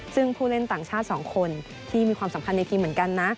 ซึ่งผู้เล่นต่างชาติ๒คนที่มีความสำคัญในทีมเหมือนกันนะ